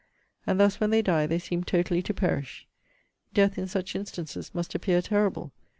And thus, when they die, they seem totally to perish. Death, in such instances, must appear terrible.